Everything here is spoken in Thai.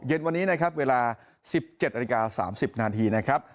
เย็นวันนี้นะครับเวลา๑๗นาฬิกา๓๐นาทีนะครับ